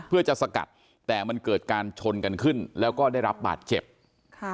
เพื่อจะสกัดแต่มันเกิดการชนกันขึ้นแล้วก็ได้รับบาดเจ็บค่ะ